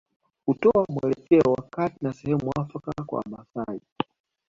Kutoa mwelekeo wakati na sehemu muafaka kwa Wamaasai